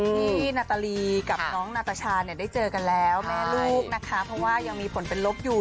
นาตาลีกับน้องนาตาชาเนี่ยได้เจอกันแล้วแม่ลูกนะคะเพราะว่ายังมีผลเป็นลบอยู่